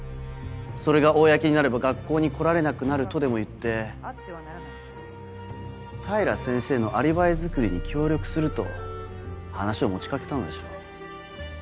それが公になれば学校に来られなくなるとでも言って平先生のアリバイづくりに協力すると話を持ち掛けたのでしょう。